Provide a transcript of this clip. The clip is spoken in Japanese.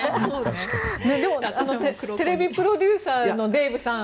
でもテレビプロデューサーのデーブさん